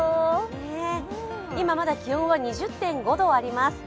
今、まだ気温は２０．５度あります。